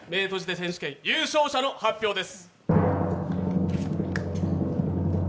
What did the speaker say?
選手権優勝者の発表です！